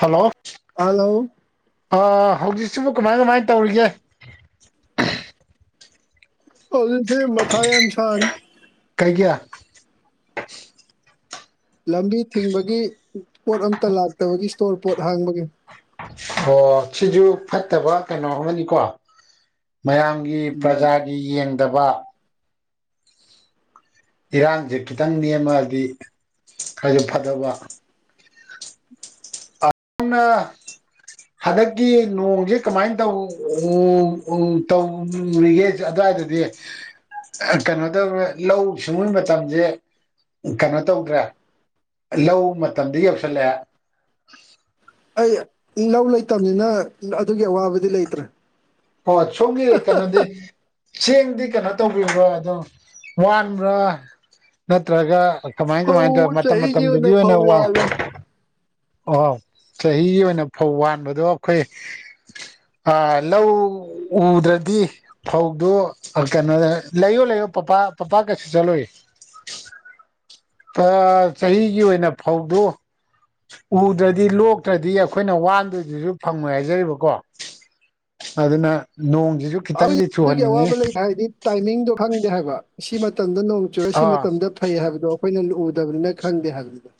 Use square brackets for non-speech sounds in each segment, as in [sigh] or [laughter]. hello hello ꯍꯧꯖꯤꯛꯁꯤꯕꯨ ꯀꯃꯥꯏ ꯀꯃꯥꯏ ꯇꯧꯔꯤꯒꯦ ꯍꯧꯖꯤꯁꯦ ꯃꯊꯥꯏ ꯌꯥꯝ ꯁꯥꯔꯤ ꯀꯥꯏ ꯀꯌꯥ ꯂꯝꯕꯤ ꯊꯤꯡꯕꯒꯤ ꯄꯣꯠ ꯑꯝꯇ ꯂꯥꯛꯇꯕꯒꯤ ꯏꯁꯇꯣꯔ ꯄꯣꯠ ꯍꯥꯡꯕꯒꯤ ꯑꯣ ꯁꯤꯁꯨ ꯐꯠꯇꯕ ꯀꯩꯅꯣ ꯑꯃꯅꯤꯀꯣ ꯃꯌꯥꯝꯒꯤ ꯄ꯭ꯔꯖꯥꯒꯤ ꯌꯦꯡꯗꯕ ꯏꯔꯥꯡꯁꯦ ꯈꯤꯇꯪ ꯅꯦꯝꯃꯑꯗꯤ ꯈꯔꯁꯨ ꯐꯠꯇꯕ ꯑꯨꯡꯅ ꯍꯟꯗꯛꯀꯤ ꯅꯣꯡꯁꯦ ꯀꯃꯥꯏꯅ ꯇꯧ ꯇꯧꯔꯤꯒꯦ ꯑꯗꯨꯋꯥꯏꯗꯗꯤ ꯀꯩꯅꯣ ꯇꯧ ꯂꯧꯎ ꯁꯤꯡꯎꯕ ꯃꯇꯝꯁꯦ ꯀꯩꯅꯣ ꯇꯧꯗ꯭ꯔꯥ ꯂꯧ ꯃꯇꯝꯗ ꯌꯧꯁꯜꯂꯛꯦ ꯑꯩ ꯂꯧ ꯂꯩꯇꯕꯅꯤꯅ ꯑꯗꯨꯒꯤ ꯑꯋꯥꯕꯗꯤ ꯂꯩꯇ꯭ꯔꯦ ꯍꯣꯏ ꯁꯣꯝꯒꯤ ꯀꯩꯅꯣꯗꯤ ꯆꯦꯡꯗꯤ ꯀꯩꯅꯣ ꯇꯧꯕꯤꯕ꯭ꯔꯣ ꯑꯗꯣ ꯋꯥꯕ꯭ꯔꯥ ꯅꯠꯇ꯭ꯔꯒ ꯀꯃꯥꯏ ꯀꯃꯥꯏꯅ ꯐꯧ ꯇꯧꯋ ꯃꯇꯝ ꯆꯍꯤꯒꯤ ꯃꯇꯝꯗꯨꯒꯤ ꯑꯣꯏꯅ ꯐꯧ ꯋꯥ ꯋꯥꯜꯂꯦ ꯑꯣ ꯆꯍꯤꯒꯤ ꯑꯣꯏꯅ ꯐꯧ ꯋꯥꯗꯣ ꯑꯩꯈꯣꯏ ꯂꯧ ꯎꯗ꯭ꯔꯗꯤ ꯐꯧꯗꯨ ꯀꯩꯅꯣꯗ ꯂꯩꯌꯣ ꯂꯩꯌꯣ ꯄꯄꯥ ꯄꯄꯥ ꯀꯩꯁꯨ ꯆꯠꯂꯨꯏ ꯆꯍꯤꯒꯤ ꯑꯣꯏꯅ ꯐꯧꯗ ꯎꯗ꯭ꯔꯗꯤ ꯂꯣꯛꯇ꯭ꯔꯗꯤ ꯑꯩꯈꯣꯏꯅ ꯋꯥꯟꯗ꯭ꯔꯗꯨꯁꯨ ꯐꯪꯉꯣꯏ ꯍꯥꯏꯖꯔꯤꯕꯀꯣ ꯑꯗꯨꯅ ꯅꯣꯡꯁꯤꯁꯨ ꯈꯤꯇꯪꯗꯤ ꯑꯗꯨꯒꯤ ꯆꯨꯍꯟꯅꯤꯡꯉꯤ ꯑꯋꯥꯕ ꯂꯩꯕ ꯍꯥꯏꯔꯗꯤ ꯇꯥꯏꯃꯤꯡꯗꯣ ꯈꯪꯗꯦ ꯍꯥꯏꯕ ꯁꯤ ꯃꯇꯝꯗ ꯅꯣꯡ ꯆꯨꯔꯦ ꯁꯤ ꯑꯥ ꯃꯇꯝꯗ ꯐꯩ ꯍꯥꯏꯕꯗꯣ ꯑꯩꯈꯣꯏꯅ ꯂ ꯎꯎꯗꯕꯅꯤꯅ ꯈꯪꯗꯦ ꯍꯥꯏꯕꯗꯨꯗ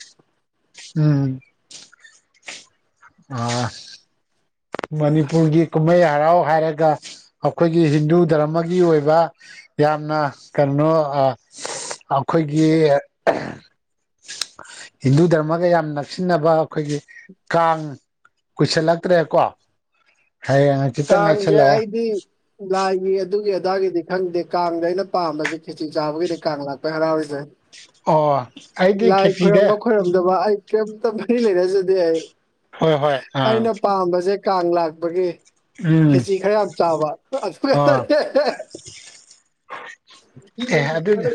ꯎꯝ ꯑ ꯃꯅꯤꯄꯨꯔꯒꯤ ꯀꯨꯝꯍꯩ ꯍꯔꯥꯎ ꯍꯥꯏꯔꯒ ꯑꯩꯈꯣꯏꯒꯤ ꯍꯤꯟꯗꯨ ꯗꯔꯃꯒꯤ ꯑꯣꯏꯕ ꯌꯥꯝꯅ ꯀꯩꯅꯣ ꯑꯩꯈꯣꯏꯒꯤ ꯍꯤꯟꯗꯨ ꯗꯔꯃꯒ ꯌꯥꯝ ꯅꯛꯁꯤꯟꯅꯕ ꯑꯩꯈꯣꯏꯒꯤ ꯀꯥꯡ ꯀꯨꯏꯁꯤꯜꯂꯛꯇ꯭ꯔꯦꯀꯣ ꯍꯥꯏꯌꯦ ꯀꯖꯦ ꯍꯥꯏꯗꯤ ꯂꯥꯏꯒꯤ ꯑꯗꯨꯒꯤ ꯑꯗꯥꯒꯤꯗꯤ ꯈꯪꯗꯦ ꯀꯥꯡꯗ ꯑꯩꯅ ꯄꯥꯝꯕꯁꯦ ꯈꯦꯆꯤ ꯆꯥꯕꯒꯤꯗꯤ ꯀꯥꯡ ꯂꯥꯛꯄꯩ ꯍꯔꯥꯎꯔꯤꯁꯦ ꯑꯣ ꯑꯩꯗꯤ ꯂꯥꯏ ꯈꯦꯇꯗꯦ ꯈꯣꯏꯔꯝꯕ ꯈꯣꯏꯔꯝꯗꯕ ꯑꯩ ꯀꯔꯤꯝꯇ ꯃꯔꯤ ꯂꯩꯔꯖꯗꯤꯦ ꯑꯩ ꯍꯣꯏ ꯍꯣꯏ ꯑꯥ ꯑꯩꯅ ꯄꯥꯝꯕꯁꯦ ꯀꯥꯡ ꯂꯥꯛꯄꯒꯤ [unintelligible] ꯈꯦꯆꯤ ꯈꯔ ꯌꯥꯝ ꯆꯥꯕ ꯑꯣ ꯑꯦ ꯑꯗꯨꯅꯦ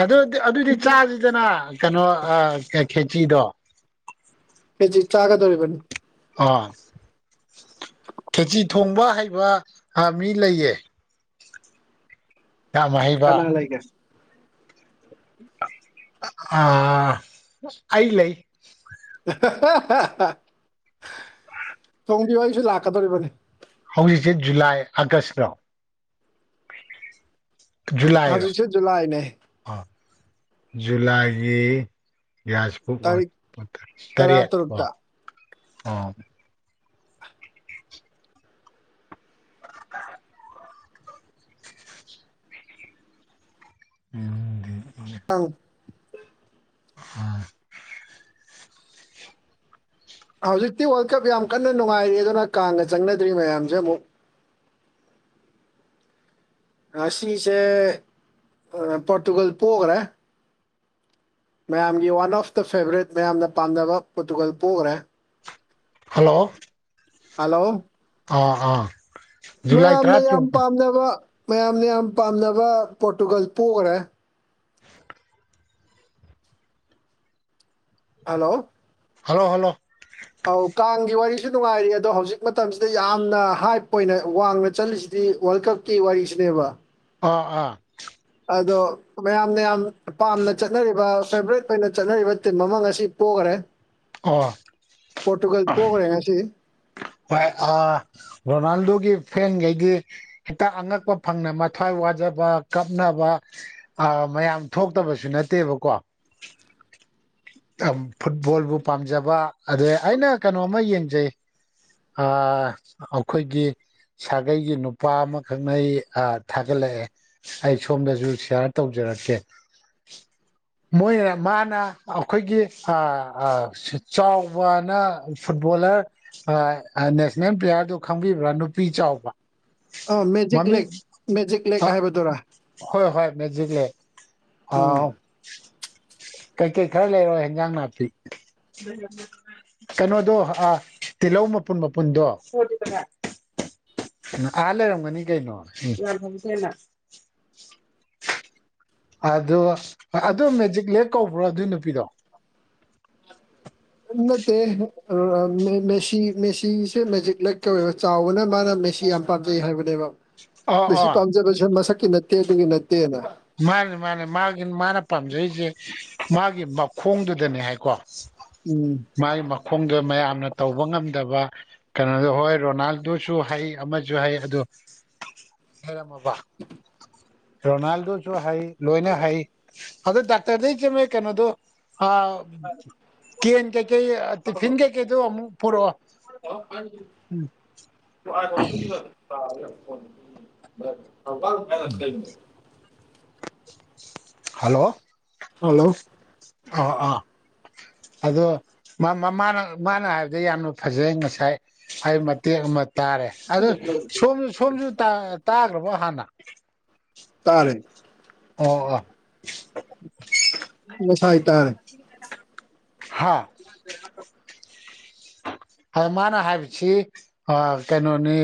ꯑꯗꯨꯗꯤ ꯑꯗꯨꯗꯤ ꯆꯥꯁꯤ ꯐꯗꯅ ꯀꯩꯅꯣ ꯈꯦꯆꯤꯗꯣ ꯀꯖꯤ ꯆꯥꯒ ꯇꯧꯔꯤꯕꯅꯤ ꯑꯥ ꯈꯦꯆꯤ ꯊꯣꯡꯕ ꯍꯩꯕ ꯃꯤ ꯂꯩꯌꯦ ꯌꯥꯝ ꯍꯩꯕ ꯀꯅꯥ ꯂꯩꯒꯦ ꯑ ꯑ ꯂꯩ ꯊꯣꯡꯕꯤꯌꯨ ꯑꯩꯁꯨ ꯂꯥꯛꯀꯗꯧꯔꯤꯕꯅꯤ ꯍꯧꯖꯤꯛꯁꯦ ꯖꯨꯂꯥꯏ ꯑꯥꯒꯁꯇꯣ ꯖꯨꯂꯥꯏꯔ ꯍꯧꯖꯤꯛꯁꯦ ꯖꯨꯂꯥꯏꯅꯦ ꯑ ꯖꯨꯂꯥꯏꯒꯤ ꯑꯣ ꯇꯥꯔꯤꯛ ꯇꯔꯥ ꯇꯔꯦꯠ ꯀꯣ ꯇꯔꯨꯛꯇ ꯑꯣ ꯎꯝ ꯑꯥꯎ ꯑꯥ ꯍꯧꯖꯤꯛꯇꯤ ꯋꯥꯔꯜꯗ ꯀꯞ ꯌꯥꯝ ꯀꯟꯅ ꯅꯨꯡꯉꯥꯏꯔꯦ ꯑꯗꯨꯅ ꯀꯥꯡꯒ ꯆꯪꯅꯗ꯭ꯔꯤ ꯃꯌꯥꯝꯁꯦ ꯑꯃꯨꯛ ꯁꯤꯁꯦ ꯄꯣꯔꯇꯨꯒꯜ ꯄꯣꯛꯈ꯭ꯔꯦ ꯃꯌꯥꯝꯒꯤ ꯋꯥꯟ ꯑꯣꯐ ꯗ ꯐꯦꯕꯣꯔꯥꯏꯠ ꯃꯌꯥꯝꯅ ꯄꯥꯝꯅꯕ ꯄꯣꯇꯨꯒꯜ ꯄꯣꯛꯈ꯭ꯔꯦ ꯍꯜꯂꯣ ꯍꯜꯂꯣ ꯑꯥ ꯑꯥ ꯖꯨꯂꯥꯏ ꯇꯔꯥ ꯃꯌꯥꯝꯅ ꯌꯥꯝ ꯇꯔꯨꯛ ꯄꯥꯝꯅꯕ ꯃꯌꯥꯝꯅ ꯌꯥꯝ ꯄꯥꯝꯅꯕ ꯄꯣꯔꯇꯨꯒꯜ ꯄꯣꯛꯈ꯭ꯔꯦ ꯍꯜꯂꯣ ꯍꯜꯂꯣ ꯍꯜꯂꯣ ꯑꯧ ꯀꯥꯡꯒꯤ ꯋꯥꯔꯤꯁꯨ ꯅꯨꯡꯉꯥꯏꯔꯤ ꯑꯗꯣ ꯍꯧꯖꯤꯛ ꯃꯇꯝꯁꯤꯗ ꯌꯥꯝꯅ ꯍꯥꯏꯞ ꯑꯣꯏꯅ ꯋꯥꯡꯅ ꯆꯠꯂꯤꯁꯤꯗꯤ ꯋꯥꯔꯜ ꯀꯞ ꯀꯤ ꯋꯥꯔꯤꯁꯤꯅꯦꯕ ꯑꯥ ꯑꯥ ꯑꯗꯣ ꯃꯌꯥꯝꯅ ꯌꯥꯝ ꯄꯥꯝꯅ ꯆꯠꯅꯔꯤꯕ ꯐꯦꯕꯣꯔꯥꯏꯠ ꯑꯣꯏꯅ ꯆꯠꯅꯔꯤꯕ ꯇꯤꯝ ꯑꯃ ꯉꯁꯤ ꯄꯈ꯭ꯔꯦ ꯑꯣ ꯄꯣꯔꯇꯨꯒꯜ ꯄꯣꯛꯈ꯭ꯔꯦ ꯉꯁꯤ ꯍꯣꯏ ꯑ ꯔꯣꯅꯥꯜꯗꯣꯒꯤ ꯐꯦꯟꯈꯩꯗꯤ ꯍꯦꯛꯇꯥꯛ ꯑꯉꯛꯄ ꯐꯪꯅ ꯃꯊ꯭ꯋꯥꯏ ꯋꯥꯖꯕ ꯀꯥꯞꯅꯕ ꯑ ꯃꯌꯥꯝ ꯊꯣꯛꯇꯕꯁꯨ ꯅꯠꯇꯦꯕꯀꯣ ꯐꯨꯠꯕꯣꯜꯕꯨ ꯄꯥꯝꯖꯕ ꯑꯗꯩ ꯑꯩꯅ ꯀꯩꯅꯣꯝꯃ ꯌꯦꯡꯖꯩ ꯑꯩꯈꯣꯏꯒꯤ ꯁꯥꯒꯩꯒꯤ ꯅꯨꯄꯥ ꯑꯃꯈꯛꯅ ꯑꯩ ꯊꯥꯒꯠꯂꯛꯑꯦ ꯑꯩ ꯁꯣꯝꯗꯁꯨ ꯁꯤꯌꯥꯔ ꯇꯧꯖꯔꯛꯀꯦ ꯃꯣꯏꯅ ꯃꯥꯅ ꯑꯩꯈꯣꯏꯒꯤ ꯆꯥꯎꯕꯅ ꯐꯨꯠꯕꯣꯂꯔ ꯅꯦꯁꯅꯦꯜ ꯄ꯭ꯂꯦꯌꯥꯔꯗꯨ ꯈꯪꯕꯤꯕ꯭ꯔꯥ ꯅꯨꯄꯤ ꯆꯥꯎꯕ ꯑ ꯃꯦꯖꯤꯛ ꯃꯃꯤꯡ ꯂꯦꯛ ꯃꯦꯖꯤꯛ ꯂꯦꯛ ꯑ ꯍꯥꯏꯕꯗꯨꯔꯥ ꯍꯣꯏ ꯍꯣꯏ ꯃꯦꯖꯤꯛꯂ ꯎꯝ ꯑꯥꯎ ꯀꯩꯀꯩ ꯈꯔ ꯂꯩꯔꯣꯏ ꯍꯦꯟꯖꯥꯡ ꯅꯥꯄꯤ ꯀꯩꯅꯣꯗꯣ ꯇꯤꯜꯍꯧ ꯃꯄꯨꯟ ꯃꯄꯨꯟꯗꯣ ꯑ ꯂꯩꯔꯝꯃꯅꯤ ꯀꯩꯅꯩꯅꯣ ꯑꯣ ꯑꯗꯨ ꯃꯦꯖꯤꯛ ꯂꯦꯛ ꯀꯧꯕ꯭ꯔꯣ ꯑꯗꯨꯏ ꯅꯨꯄꯤꯗꯣ ꯅꯠꯇ ꯃꯦꯁꯤ ꯃꯦꯁꯤ ꯃꯖꯤ ꯂꯒ ꯆꯥꯎꯕꯅ ꯃꯥꯅ ꯃꯦꯁꯤ ꯌꯥꯝ ꯄꯥꯝꯖꯩ ꯍꯥꯏꯕꯅꯦꯕ ꯑ ꯃꯁꯤ ꯑ ꯄꯥꯝꯖꯕꯁꯦ ꯃꯁꯛꯀꯤ ꯅꯠꯇꯦ ꯑꯗꯨꯒꯤ ꯅꯠꯇꯦꯅ ꯃꯥꯅꯦ ꯃꯥꯅꯦ ꯃꯥꯒꯤ ꯃꯥꯅ ꯄꯥꯝꯖꯔꯤꯁꯦ ꯃꯥꯒꯤ ꯃꯈꯣꯡꯗꯨꯗꯅꯦ ꯍꯥꯏꯀꯣ ꯎꯝ ꯃꯥꯒꯤ ꯃꯈꯣꯡꯗꯣ ꯃꯌꯥꯝꯅ ꯇꯧꯕ ꯉꯝꯗꯕ ꯀꯩꯅꯣꯗꯣ ꯍꯣꯏ ꯔꯣꯅꯥꯜꯗꫭꯁꯨ ꯍꯩ ꯑꯃꯁꯨ ꯍꯩ ꯑꯗꯣ ꯍꯦꯔꯃꯕꯥ ꯔꯣꯅꯥꯜꯗꯣ ꯍꯩ ꯂꯣꯏꯅ ꯍꯩ ꯑꯗꯣ ꯗꯥꯛꯇꯔꯗꯩ ꯆꯃꯦ ꯀꯩꯅꯣꯗꯣ ꯀꯦꯟ ꯀꯩꯀꯩ ꯇꯤꯐꯤꯟ ꯀꯩꯀꯩꯗꯨ ꯑꯃꯨꯛ ꯄꯨꯔꯛꯑꯣ ꯍꯥꯎ ꯀꯥꯏ ꯇꯨ ꯀꯁ [unintelligible] ꯐꯔꯦ ꯐꯣꯟ ꯊꯧ ꯀꯥꯏꯁ ꯀ ꯍꯜꯂꯣ ꯍꯜꯂꯣ ꯑ ꯑꯥ ꯑꯗꯣ ꯃꯥꯅ ꯍꯥꯏꯕꯗ ꯌꯥꯝꯅ ꯐꯖꯩ ꯉꯁꯥꯏ ꯍꯥꯏ ꯃꯇꯦꯛ ꯑꯃ ꯇꯥꯔꯦ ꯑꯗꯨ ꯁꯣꯝꯁꯨ ꯁꯣꯝꯁꯨ ꯇꯥꯈ꯭ꯔꯕꯣ ꯍꯥꯟꯅ ꯇꯔꯦ ꯑꯣ ꯑꯣ ꯉꯁꯥꯏ ꯇꯔꯦ ꯊ [inaudible] ꯍꯥꯥ ꯑ ꯃꯥꯅ ꯍꯥꯏꯕꯁꯤ ꯀꯩꯅꯣꯅꯤ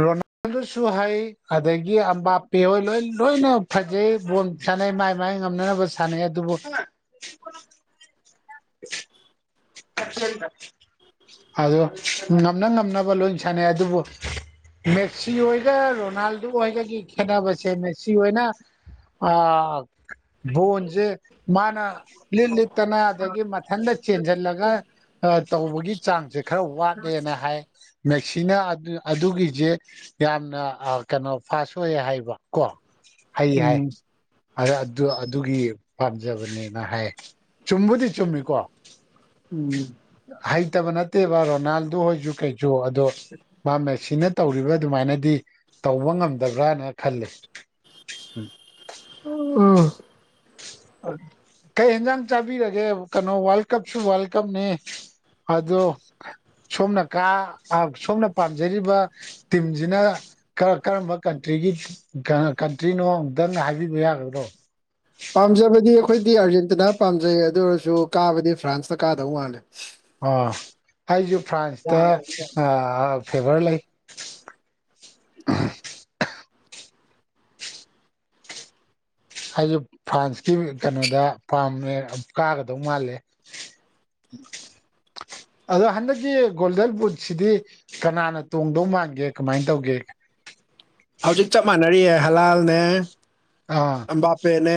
ꯔꯣꯅꯥꯜꯗꯣꯁꯨ ꯍꯩ ꯑꯗꯒꯤ ꯑꯝꯕꯥꯄꯦ ꯍꯣꯏ ꯂꯣꯏ ꯂꯣꯏꯅ ꯐꯖꯩꯕ ꯁꯥꯟꯅꯩ ꯃꯥꯏ ꯃꯥꯏ ꯉꯝꯅꯅꯕ ꯁꯥꯟꯅꯩ ꯑꯗꯨꯕꯨ ꯑꯆ [unintelligible] ꯑꯗꯣ ꯉꯝꯅ ꯉꯝꯅꯕ ꯂꯣꯏ ꯁꯥꯟꯅꯩ ꯑꯗꯨꯕꯨ ꯃꯦꯠꯁꯤ ꯍꫭꯏꯒ ꯔꯣꯅꯥꯜꯗꯣ ꯑꯣꯏꯒꯒꯤ ꯈꯦꯠꯅꯕꯁꯦ ꯃꯦꯁꯤ ꯑꯣꯏꯅ ꯑ ꯕꯣꯟꯁꯦ ꯃꯥꯅ ꯂꯤꯠ ꯂꯤꯠꯇꯅ ꯑꯗꯒꯤ ꯃꯊꯟꯇ ꯆꯦꯟꯁꯤꯜꯂ ꯇꯧꯕꯒꯤ ꯆꯥꯡꯁꯦ ꯈꯔ ꯋꯥꯠꯂꯦꯅ ꯍꯥꯏ ꯃꯦꯁꯤꯅ ꯑꯗꯨꯒꯤꯁꯦ ꯌꯥꯝꯅ ꯀꯩꯅꯣ ꯐꯥꯁ ꯑꯣꯏꯌꯦ ꯍꯥꯏꯕ ꯀꯣ ꯍꯩ ꯍꯥꯏ ꯎꯝ ꯑꯗ ꯑꯗꯨ ꯑꯗꯨꯒꯤ ꯄꯥꯝꯖꯕꯅꯦꯅ ꯍꯥꯏ ꯆꯨꯝꯕꯨꯗꯤ ꯆꯨꯝꯃꯤꯀꯣ ꯎꯝ ꯍꯩꯇꯕ ꯅꯠꯇꯦꯕ ꯔꯣꯅꯥꯜꯗꯨ ꯍꯣꯏꯁꯨ ꯀꯩꯁꯨ ꯑꯗꯣ ꯃꯥ ꯃꯦꯁꯤꯅ ꯇꯧꯔꯤꯕ ꯑꯗꯨꯃꯥꯏꯅꯗꯤ ꯇꯧꯕ ꯉꯝꯗꯕ꯭ꯔꯅ ꯈꯜꯂꯦ ꯑꯣ ꯀꯩ ꯌꯦꯟꯖꯥꯡ ꯆꯥꯕꯤꯔꯒꯦ ꯀꯩꯅꯣ ꯋꯥꯔꯜ ꯀꯞꯁꯨ ꯋꯥꯔꯜꯗ ꯀꯞꯅꯤ ꯑꯗꯣ ꯁꯣꯝꯅ ꯀꯥ ꯁꯣꯝꯅ ꯄꯥꯝꯖꯔꯤꯕ ꯇꯝꯖꯤꯅ ꯀꯔꯝꯕ ꯀꯟꯇ꯭ꯔꯤꯒꯤ ꯀꯟꯇ꯭ꯔꯤꯅꯣ ꯑꯨꯛꯇꯪ ꯍꯥꯏꯕꯤꯕ ꯌꯥꯒꯗ꯭ꯔꯣ ꯄꯥꯝꯖꯕꯗꯤ ꯑꯩꯈꯣꯏꯗꯤ ꯑꯥꯔꯖꯦꯟꯇꯤꯅꯥ ꯄꯥꯝꯖꯩ ꯑꯗꯨ ꯑꯣꯏꯔꯁꯨ ꯀꯥꯕꯗꯤ ꯐ꯭ꯔꯥꯟꯁꯇ ꯀꯥꯗꯧ ꯃꯥꯜꯂꯦ ꯑꯣ ꯑꯩꯁꯨ ꯐ꯭ꯔꯥꯟꯁꯇ ꯐꯦꯚꯔ ꯂꯩ ꯑꯩꯁꯦ ꯐ꯭ꯔꯥꯟꯁꯀꯤ ꯀꯩꯅꯣꯗ ꯄꯥꯝꯃꯦ ꯀꯥꯒꯗꯧ ꯃꯥꯜꯂꯦ [inaudible] ꯑꯗꯣ ꯍꯟꯗꯛꯀꯤ ꯒꯣꯜꯗꯟ ꯕꯨꯠꯁꯤꯗꯤ ꯀꯅꯥꯅ ꯇꯣꯡꯗꯧ ꯃꯥꯟꯒꯦ ꯀꯃꯥꯏꯅ ꯇꯧꯒꯦ ꯍꯧꯖꯤꯛ ꯆꯞ ꯃꯥꯟꯅꯔꯤꯑ ꯍꯂꯥꯜꯅꯦ ꯑꯥ ꯑꯝꯕꯥꯄꯦꯅꯦ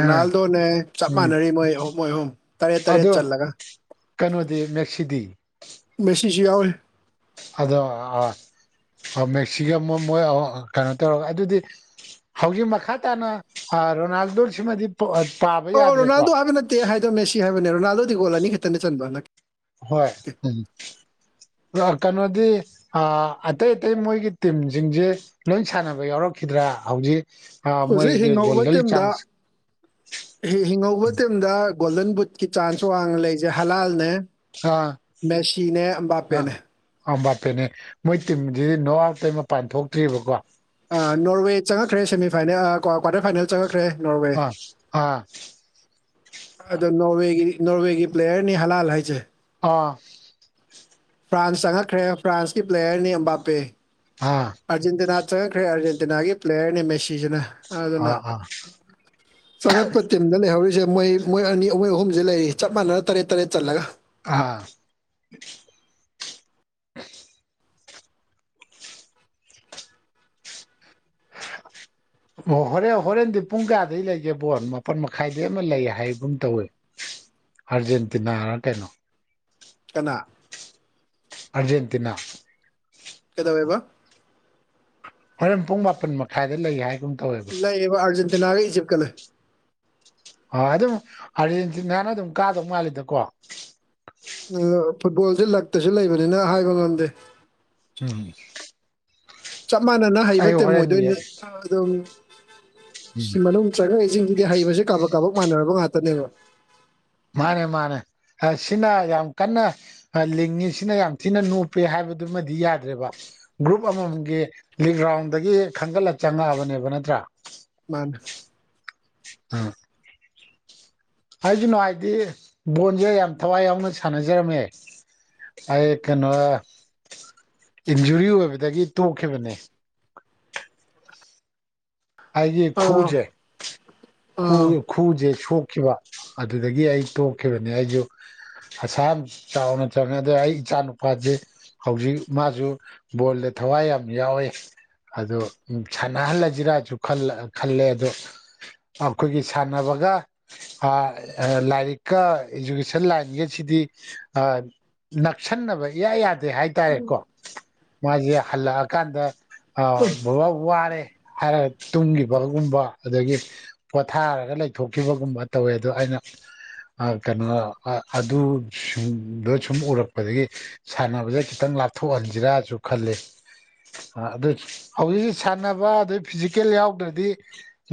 ꯑꯥ ꯆꯞ ꯎꯝ ꯃꯥꯟꯅꯔꯤ ꯃꯣꯏ ꯑꯍꯨꯝ ꯃꯣꯏ ꯑꯍꯨꯝ ꯇꯔꯦ ꯇꯔꯦ ꯑꯗꯣ ꯆꯜꯂꯒ ꯀꯩꯅꯣꯗꯤ ꯃꯦꯛꯁꯤꯗꯤ ꯃꯦꯁꯤꯖꯨ ꯌꯥꯎꯔꯤ ꯑꯗꯣ ꯑ ꯑ ꯃꯦꯛꯁꯤꯒ ꯃꯣꯏ ꯃꯣꯏ ꯑꯌꯣ ꯀꯩꯅꯣ ꯇꯧꯔꯒ ꯑꯗꯨꯗꯤ ꯍꯧꯖꯤꯛ ꯃꯈꯥ ꯇꯥꯅ ꯑ ꯔꯣꯅꯥꯜꯗꯣ ꯁꯤꯃꯗꯤ [unintelligible] ꯑꯣ ꯑꯣ ꯔꯣꯅꯥꯜꯗꯣ ꯍꯥꯏꯕ ꯅꯠꯇꯦ ꯍꯥꯏꯗꯣ ꯃꯦꯁꯤ ꯍꯥꯏꯕꯅꯦ ꯔꯣꯅꯥꯜꯗꯣꯗꯤ ꯒꯣꯜ ꯑꯅꯤꯈꯤꯛꯇꯅꯦ ꯆꯟꯕ ꯍꯟꯗꯛꯀꯤ ꯍꯣꯏ ꯎꯝ ꯔꯥ ꯀꯩꯅꯣꯗꯤ ꯑ ꯑꯇꯩ ꯑꯇꯩ ꯃꯣꯏꯒꯤ ꯇꯤꯝꯖꯤꯡꯖꯦ ꯂꯣꯏꯟ ꯁꯥꯟꯅꯕ ꯌꯥꯎꯔꯛꯈꯤꯗ꯭ꯔꯥ ꯍꯧꯖꯤꯛ ꯑ ꯍꯧꯖꯤꯛ ꯃꯣꯏꯒꯤ ꯒꯣꯜꯗꯜ ꯆꯥꯟꯁ ꯍꯤꯡ ꯍꯤꯡꯍꯧꯕ ꯃꯇꯝꯗ ꯒꯣꯜꯗꯟ ꯕꯨꯠꯀꯤ ꯆꯥꯟꯁ ꯋꯥꯡꯅ ꯂꯩꯁꯦ ꯍꯂꯥꯜꯅꯦ ꯑꯥ ꯃꯦꯁꯤꯅꯦ ꯑꯝꯕꯥꯄꯦꯅꯦ ꯑ ꯑ ꯕꯥꯄꯦꯅꯦ ꯃꯣꯏ ꯇꯤꯝꯖꯤ ꯅꯣꯛ ꯑꯥꯎꯠꯇꯩ ꯃꯄꯥꯟ ꯊꯣꯛꯇ꯭ꯔꯤꯕꯀꯣ ꯑ ꯅꯣꯔꯋꯦ ꯆꯪꯉꯛꯈ꯭ꯔꯦ ꯁꯦꯃꯤꯐꯥꯏꯅꯦꯜ ꯑ ꯀ꯭ꯋꯥꯇꯔ ꯐꯥꯏꯅꯦꯜ ꯆꯪꯉꯛꯈ꯭ꯔꯦ ꯅꯣꯔꯋꯦ ꯑꯥ ꯑꯥ ꯑꯗꯣ ꯅꯣꯔꯋꯦꯒꯤ ꯅꯣꯔꯋꯦꯒꯤ ꯄ꯭ꯂꯦꯌꯔꯅꯤ ꯍꯂꯥꯜ ꯍꯥꯏꯖꯦ ꯑꯥ ꯐ꯭ꯔꯥꯟꯁ ꯆꯪꯉꯛꯈ꯭ꯔꯦ ꯐ꯭ꯔꯥꯟꯁꯀꯤ ꯄ꯭ꯂꯦꯌꯔꯅꯤ ꯑꯝꯕꯥꯄꯦ ꯍꯥꯥ ꯑꯥꯔꯖꯦꯟꯇꯤꯅꯥ ꯆꯪꯉꯛꯈ꯭ꯔꯦ ꯑꯥꯔꯖꯦꯟꯇꯤꯅꯥꯒꯤ ꯄ꯭ꯂꯦꯌꯔꯅꯤ ꯃꯦꯁꯤꯁꯤꯅ ꯑꯗꯨꯅ ꯑꯥ ꯑꯥ ꯆꯉꯛꯄ ꯇꯤꯝ ꯇꯤꯝꯗ ꯂꯩꯍꯧꯔꯤꯖꯦ ꯃꯣꯏ ꯃꯣꯏ ꯑꯅꯤ ꯃꯣꯏ ꯑꯍꯨꯝꯖꯦ ꯂꯩꯔꯤ ꯆꯞ ꯃꯥꯟꯅꯅ ꯇꯔꯦꯠ ꯇꯔꯦꯠ ꯆꯜꯂꯒ ꯑꯥ [inaudible] ꯑꯣ ꯍꯣꯔꯦꯜ ꯍꯣꯔꯦꯟꯗꯤ ꯄꯨꯡ ꯀꯌꯥꯗꯩ ꯂꯩꯒꯦ ꯕꯣꯜ ꯃꯥꯄꯟ ꯃꯈꯥꯏꯗꯩ ꯑꯃ ꯂꯩ ꯍꯥꯏꯒꯨꯝ ꯇꯧꯏ ꯑꯔꯖꯦꯟꯇꯤꯅꯥꯔ ꯀꯩꯅꯣ ꯀꯅꯥ ꯑꯔꯖꯦꯟꯇꯤꯅꯥ ꯀꯩꯗꯧꯋꯦꯕ ꯍꯣꯔꯦꯟ ꯄꯨꯡ ꯃꯥꯄꯟ ꯃꯈꯥꯏꯗ ꯂꯩ ꯍꯥꯏꯒꯨꯝ ꯇꯧꯋꯦꯕ ꯂꯩꯌꯦꯕ ꯑꯔꯖꯦꯟꯇꯤꯅꯥꯒ ꯏꯖꯤꯞꯠ ꯀ ꯂꯩ ꯑ ꯑꯗꯨꯝ ꯑꯥꯔꯖꯦꯟꯇꯤꯅꯥꯅ ꯑꯗꯨꯝ ꯀꯥꯗꯧ ꯃꯥꯜꯂꯤꯗꯀꯣ ꯎꯂꯥ ꯐꯨꯠꯕꯣꯜꯁꯦ ꯂꯛꯇꯁꯨ ꯂꯩꯕꯅꯤꯅ ꯍꯥꯏꯕ ꯉꯝꯗꯦ ꯎꯝ ꯆꯞ ꯃꯥꯟꯅꯅ ꯍꯩꯕ ꯑꯩ ꯇꯤꯝ‌ ꯍꯣꯔꯦꯟ ꯑꯣꯏꯗꯣꯏꯅꯤ ꯌꯦꯡ ꯑꯗꯨꯝ ꯎꯝ ꯁꯤ ꯃꯅꯨꯡ ꯆꯪꯉꯛꯏꯖꯤꯡꯖꯤꯗꯤ ꯍꯩꯕꯖꯦ ꯀꯥꯕꯛ ꯀꯥꯕꯛ ꯃꯥꯟꯅꯔꯕ ꯉꯥꯛꯇꯅꯦꯕ ꯃꯥꯅꯦ ꯃꯥꯅꯦ ꯑ ꯁꯤꯅ ꯌꯥꯝ ꯀꯟꯅ ꯑ ꯂꯤꯡꯉꯤꯁꯤꯅ ꯌꯥꯝ ꯊꯤꯅ ꯅꯣꯞꯄꯦ ꯍꯥꯏꯕꯗꯨꯃꯗꯤ ꯌꯥꯗ꯭ꯔꯦꯕ ꯒ꯭ꯔꯨꯞ ꯑꯃꯃꯝꯒꯤ ꯂꯤꯛꯒ꯭ꯔꯥꯎꯟꯗꯒꯤ ꯈꯟꯒꯠꯂ ꯆꯪꯉꯛꯑꯕꯅꯦꯕ ꯅꯠꯇ꯭ꯔꯥ ꯃꯥꯅꯦ ꯎꯝ ꯍꯥꯏꯖꯅꯣ ꯍꯥꯏꯗꯤ ꯕꯣꯟꯖꯦ ꯌꯥꯝ ꯊꯋꯥꯏ ꯌꯥꯎꯅ ꯁꯥꯟꯅꯖꯔꯝꯃꯦ ꯑꯩ ꯀꯩꯅꯣ ꯏꯟꯖꯨꯔꯤ ꯑꯣꯏꯕꯗꯒꯤ ꯇꯣꯛꯈꯤꯕꯅꯦ ꯍꯥꯏꯗꯤ ꯑꯥ ꯈꯨꯖꯦ ꯈꯨ ꯑꯥ ꯈꯨꯖꯦ ꯁꯣꯛꯈꯤꯕ ꯑꯗꯨꯗꯒꯤ ꯑꯩ ꯇꯣꯛꯈꯤꯕꯅꯦ ꯑꯩꯖꯨ ꯑꯁꯥꯌꯥꯝ ꯆꯥꯎꯅ ꯆꯪꯉꯦ ꯑꯗꯣ ꯑꯩ ꯏꯆꯥ ꯅꯨꯄꯥꯖꯦ ꯍꯧꯖꯤꯛ ꯃꯥꯖꯨ ꯕꯣꯜꯗ ꯊꯋꯥꯏ ꯌꯥꯝ ꯌꯥꯎꯋꯤ ꯑꯗꯨ ꯎꯝ ꯁꯥꯟꯅꯍꯜꯂꯖꯤꯔꯖꯨ ꯈꯜꯂꯦ ꯑꯗꯣ ꯑꯈꯣꯏꯒꯤ ꯁꯥꯟꯅꯕꯒ ꯑ ꯂꯥꯏꯔꯤꯛꯀ ꯏꯗꯨꯨꯀꯦꯁꯟ ꯂꯥꯏꯟꯒꯁꯤꯗꯤ ꯑ ꯅꯛꯁꯟꯅꯕ ꯏꯌꯥ ꯌꯥꯗꯦ ꯍꯥꯏ ꯍꯥꯏꯇꯥꯔꯦꯀꯣ ꯃꯥꯖꯦ ꯍꯜꯂꯛꯑꯀꯥꯟꯗ ꯑ ꯎꯝ ꯕꯥꯕꯥꯥ ꯋꯥꯔꯦ ꯍꯥꯏꯔꯠ ꯇꯨꯝꯈꯤꯕꯒꯨꯝꯕ ꯑꯗꯒꯤ ꯄꯣꯊꯥꯔꯒ ꯂꯩꯊꯣꯛꯈꯤꯕꯒꯨꯝꯕ ꯇꯧꯋꯦ ꯑꯣ ꯑꯩꯅ ꯀꯩꯅꯣ ꯑꯗꯨꯗ ꯁꯨꯝ ꯎꯔꯛꯄꯗꯒꯤ ꯁꯥꯟꯅꯕꯁꯦ ꯈꯤꯇꯪ ꯂꯥꯞꯊꯣꯛꯍꯟꯁꯤꯔꯥꯁꯨ ꯈꯜꯂꯤꯦ ꯑꯗꯨ ꯍꯧꯖꯤꯛ ꯍꯧꯖꯤꯛ ꯁꯥꯟꯅꯕ ꯑꯗꯩ ꯐꯤꯖꯤꯛ ꯀꯀꯦꯜ ꯌꯥꯎꯗ꯭ꯔꯗꯤ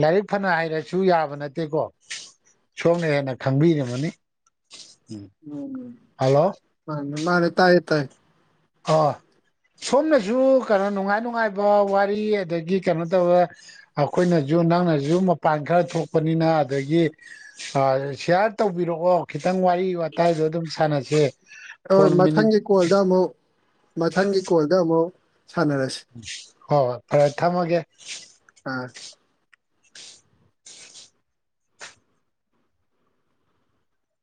ꯂꯥꯏꯔꯤꯛ ꯐꯅ ꯍꯩꯔꯁꯨ ꯌꯥꯕ ꯅꯠꯇꯦꯀꯣ ꯁꯣꯝꯅ ꯍꯦꯟꯅ ꯈꯪꯕꯤꯝꯃꯅꯤ ꯎꯝ ꯍꯜꯂꯣ ꯃꯥ ꯃꯥꯅꯦ ꯇꯥꯏꯌꯦ ꯇꯥꯏ ꯍ ꯁꯣꯝꯅꯁꯨ ꯀꯩꯅꯣ ꯅꯨꯡꯉꯥꯏ ꯅꯨꯡꯉꯥꯏꯕ ꯋꯥꯔꯤ ꯑꯗꯒꯤ ꯀꯩꯅꯣ ꯇꯧꯔ ꯑꯩꯈꯣꯏꯅꯁꯨ ꯅꯪꯅꯁꯨ ꯃꯄꯥꯟ ꯈꯔ ꯊꯣꯛꯄꯅꯤꯅ ꯑꯗꯒꯤ ꯁꯤꯌꯥꯔ ꯇꯧꯕꯤꯔꯛꯑꯣ ꯈꯤꯇꯪ ꯋꯥꯔꯤ ꯋꯥꯇꯥꯏꯗꯣ ꯑꯗꯨꯝ ꯁꯥꯟꯅꯁꯦ ꯍ ꯀꯣꯟ ꯃꯤꯅꯤꯠ ꯃꯊꯪꯒꯤ ꯀꯣꯜꯗ ꯑꯃꯨꯛ ꯃꯊꯪꯒꯤ ꯀꯣꯜꯗ ꯑꯃꯨꯛ ꯁꯥꯟꯅꯔꯁꯤ ꯍꯣꯏ ꯍꯣꯏ ꯐꯔꯦ ꯊꯝꯃꯒꯦ ꯎꯝ